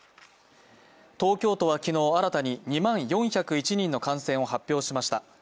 東京都は昨日、新たに２万４０１人の感染を発表しました。